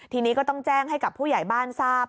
ทีนี้ก็ต้องแจ้งให้กับผู้ใหญ่บ้านทราบ